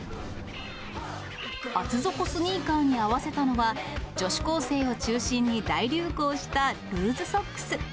厚底スニーカーに合わせたのは、女子高生を中心に大流行したルーズソックス。